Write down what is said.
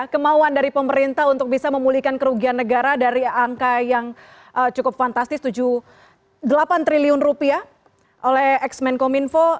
kemauan dari pemerintah untuk bisa memulihkan kerugian negara dari angka yang cukup fantastis rp tujuh delapan triliun rupiah oleh ex menkominfo